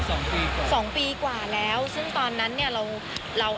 สองปีสองปีกว่าแล้วซึ่งตอนนั้นเนี้ยเราเรา